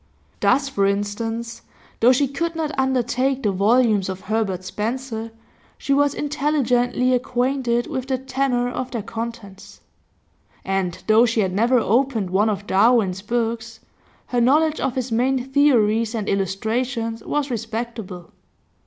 Thus, for instance, though she could not undertake the volumes of Herbert Spencer, she was intelligently acquainted with the tenor of their contents; and though she had never opened one of Darwin's books, her knowledge of his main theories and illustrations was respectable.